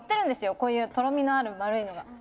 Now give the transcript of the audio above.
こういうとろみのある丸いのが。